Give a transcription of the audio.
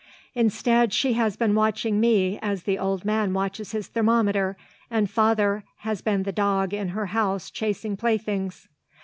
Instead she has been watching me as the old man watches his thermometer and Father has been the dog in her house chasing playthings."